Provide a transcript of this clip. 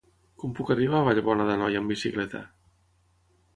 Com puc arribar a Vallbona d'Anoia amb bicicleta?